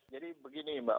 jadi begini mbak